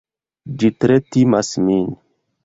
Ĝi tre timas min!